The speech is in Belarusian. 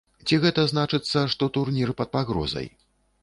Ці гэта значыцца, што турнір пад пагрозай?